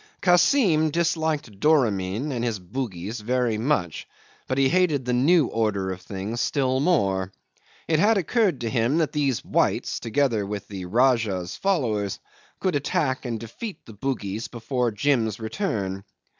'Kassim disliked Doramin and his Bugis very much, but he hated the new order of things still more. It had occurred to him that these whites, together with the Rajah's followers, could attack and defeat the Bugis before Jim's return.